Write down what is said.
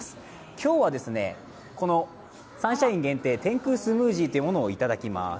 今日はサンシャイン限定、てんくうスムージーというものをいただきます。